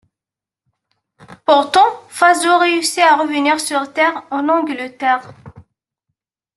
Pourtant, Fasaud réussit à revenir sur Terre, en Angleterre.